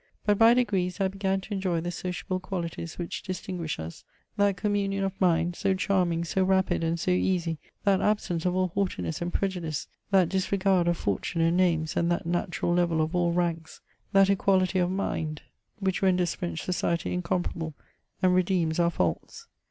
But by degrees I began to enjoy the sociable qualities which distinguish us, that communion of minds, so charming, so rapid, and so easy, that absence of all haughtiness and prejudice, that disregard of fortune and names, and that natural level of all ranks ; that equality of mind, d CHATEAUBRIAND. 453 which renders French society incomparable, and redeems our faults.